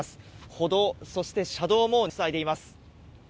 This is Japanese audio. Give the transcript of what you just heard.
歩道、そして車道も塞いでいます。